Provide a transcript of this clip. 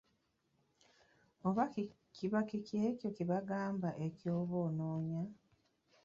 Oba kiba kiki ekyo kyebagamba ky'oba onoonya?